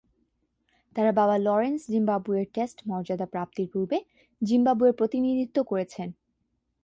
তার বাবা লরেন্স জিম্বাবুয়ের টেস্ট মর্যাদা প্রাপ্তির পূর্বে জিম্বাবুয়ের প্রতিনিধিত্ব করেছেন।